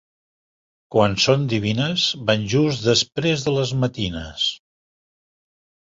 Quan són divines van just després de les matines.